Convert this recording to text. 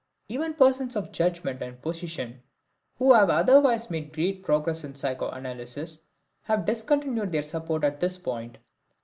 Even persons of judgment and position, who have otherwise made great progress in psychoanalysis, have discontinued their support at this point.